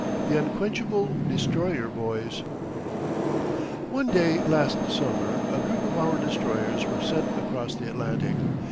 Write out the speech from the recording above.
THE UNQUENCHABLE DESTROYER BOYS One day last summer a group of our destroyers were sent across the Atlantic.